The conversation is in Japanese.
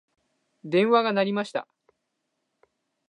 電話が鳴りました。